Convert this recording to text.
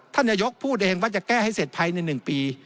ท่านนายกพูดเองว่าจะแก้ให้เสร็จภายใน๑ปี